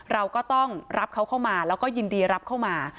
เราก็ต้องรับเขาเข้ามาแล้วก็ยินดีรับเข้ามา